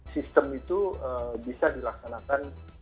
sistem itu bisa dilaksanakan